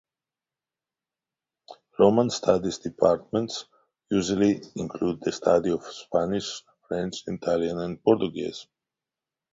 Romance studies departments usually include the study of Spanish, French, Italian, and Portuguese.